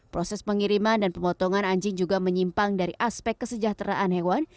proses pengiriman dan pemotongan anjing juga menyimpang dari aspek kesejahteraan hewan